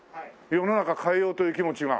世の中を変えようという気持ちが？